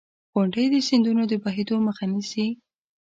• غونډۍ د سیندونو د بهېدو مخه نیسي.